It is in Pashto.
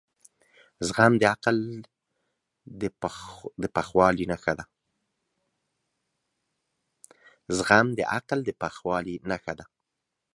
زغم د عقل د پخوالي نښه ده.